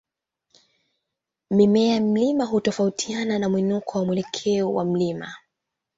Mimea ya mlima hutofautiana na mwinuko na mwelekeo wa mlima.